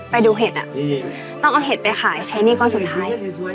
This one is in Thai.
ไปดูเห็ดต้องเอาเห็ดไปขายใช้หนี้ก้อนสุดท้าย